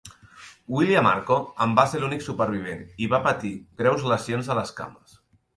William Arko en va ser l'únic supervivent i va patir greus lesions a les cames.